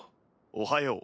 おはよう。